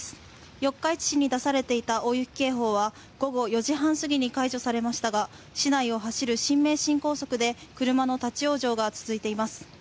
四日市市に出されていた大雪警報は午後４時半過ぎに解除されましたが市内を走る新名神高速で車の立往生が続いています。